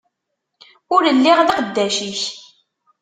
Ur lliɣ d aqeddac-ik.